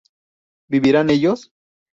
¿vivirían ellos?